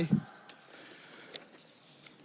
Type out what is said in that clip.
ครับ